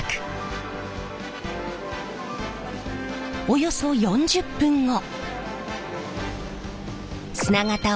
およそ４０分後。